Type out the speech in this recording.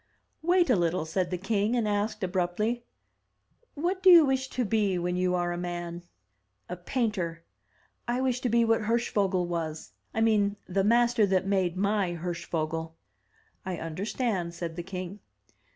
"Wait a little,'* said the king, and asked, abruptly, "What do you wish to be when you are a man?'* "A painter. I wish to be what Hirschvogel was, — I mean the master that made my Hirschvogel.*' "I understand," said the king.